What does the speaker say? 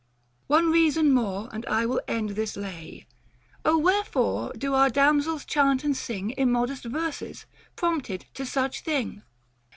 One reason more and I will end this lay. Oh wherefore do our damsels chant and sing Immodest verses, prompted to such thing